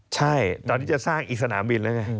ใช่ตอนนี้จะสร้างอีกสนามบินแล้วไง